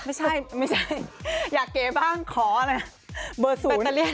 ไม่ใช่อยากเก๋บ้างขออะไร